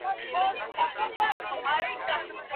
سړکونه د سوداګرۍ لپاره اسانتیاوي برابروي.